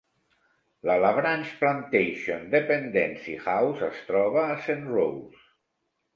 La Labranche Plantation Dependency House es troba a Saint Rose.